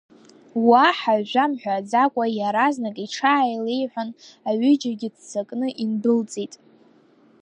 Уаҳа жәа мҳәаӡакәа, иаразнак иҽааилеиҳәан, аҩыџьагьы ццакны индәылҵит.